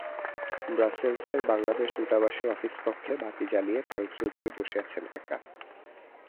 ব্রাসেলসের বাংলাদেশ দূতাবাসের অফিসকক্ষে বাতি জ্বালিয়ে ফারুক চৌধুরী বসে আছেন একা।